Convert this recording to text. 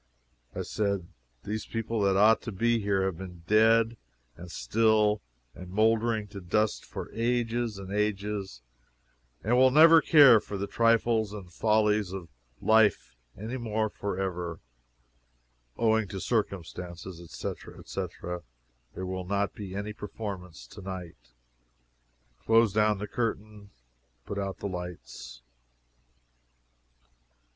I said, these people that ought to be here have been dead, and still, and moldering to dust for ages and ages, and will never care for the trifles and follies of life any more for ever "Owing to circumstances, etc., etc., there will not be any performance to night." Close down the curtain. Put out the lights.